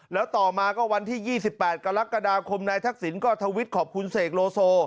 แล้วต่อมาก็วันที่๒๘กรกฎาคมนายทักษิณก็ทวิตขอบคุณเสกโลโซ